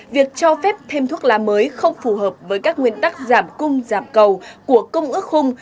việc cho phép thêm thuốc lá mới không phù hợp với các nguyên tắc giảm cung giảm cầu của công ước khung